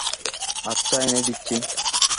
আচ্ছা, এনে দিচ্ছি।